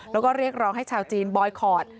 แล้วก็เรียกร้องให้ชาวจีนบอยคอร์ด